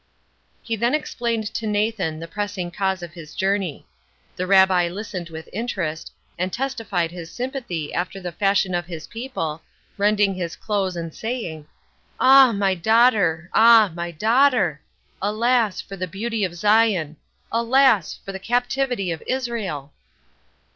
He then explained to Nathan the pressing cause of his journey. The Rabbi listened with interest, and testified his sympathy after the fashion of his people, rending his clothes, and saying, "Ah, my daughter!—ah, my daughter!—Alas! for the beauty of Zion!—Alas! for the captivity of Israel!"